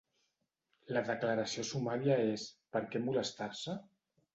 La declaració sumària és: per què molestar-se?